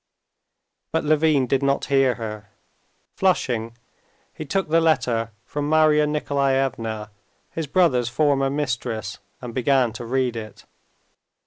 But Levin did not hear her. Flushing, he took the letter from Marya Nikolaevna, his brother's former mistress, and began to read it.